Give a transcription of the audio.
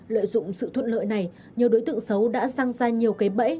lợi dụng sự thuận lợi này nhiều đối tượng xấu đã sang ra nhiều cây bẫy